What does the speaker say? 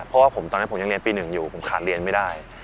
เพราะว่าผมตอนนั้นผมยังเรียนปี๑อยู่ผมขาดเรียนไม่ได้